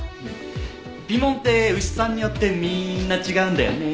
鼻紋って牛さんによってみーんな違うんだよね。